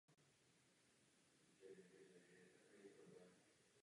Hlavní severní zeď se úplně zřítila.